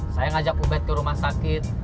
saya ngajak ubed ke rumah sakit